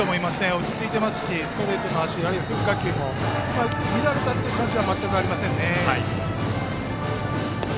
落ち着いていますしストレートの走りあるいは変化球も乱れた感じは全くありませんね。